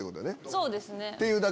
そうですね。